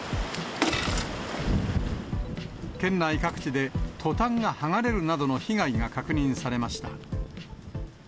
県内各地でトタンが剥がれるなどの被害が確認されました。